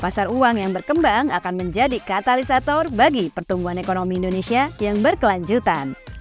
pasar uang yang berkembang akan menjadi katalisator bagi pertumbuhan ekonomi indonesia yang berkelanjutan